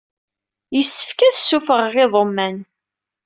Yessefk ad ssufɣeɣ iḍumman.